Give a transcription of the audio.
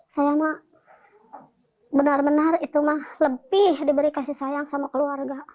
saya mah benar benar itu mah lebih diberi kasih sayang sama keluarga